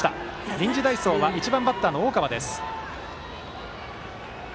臨時代走は１番バッターの大川。